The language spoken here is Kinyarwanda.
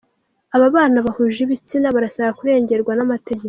Ababana bahuje ibitsina barasaba kurengerwa n’amategeko